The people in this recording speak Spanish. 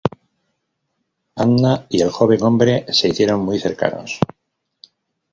Anna y el joven hombre se hicieron muy cercanos.